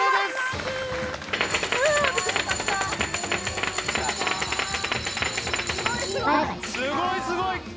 すごいすごい！